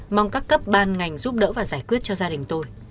mong các cấp ban ngành giúp đỡ và giải quyết cho gia đình tôi